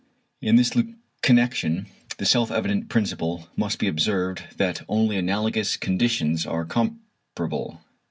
In this connexion the self evident principle must be observed, that only analogous conditions are comparable.